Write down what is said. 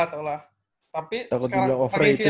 tapi sekarang makin disini makin disini